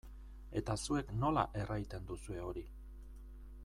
Eta zuek nola erraiten duzue hori?